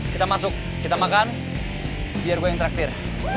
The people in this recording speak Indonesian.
kita masuk kita makan biar gue yang terakhir